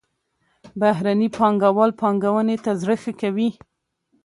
بهرني پانګوال پانګونې ته زړه ښه کوي.